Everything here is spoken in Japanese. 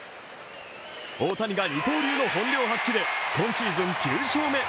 大谷が二刀流の本領発揮で今シーズン９勝目。